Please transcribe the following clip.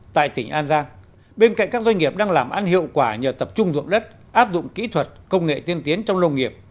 tại tỉnh an giang bên cạnh các doanh nghiệp đang làm ăn hiệu quả nhờ tập trung dụng đất áp dụng kỹ thuật công nghệ tiên tiến trong nông nghiệp